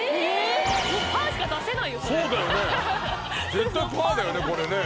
絶対パーだよねこれね。